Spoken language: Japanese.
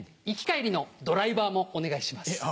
行き帰りのドライバーもお願いします。